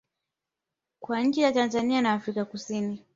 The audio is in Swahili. kwa nchi za Tanzania na Afrika kusini